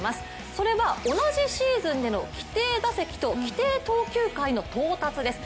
それは、同じシーズンでの規定打席と規定投球回の到達です。